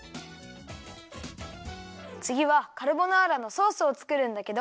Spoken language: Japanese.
つぎはカルボナーラのソースをつくるんだけど。